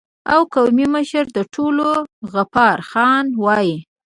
او قومي مشر د ټولو غفار خان وای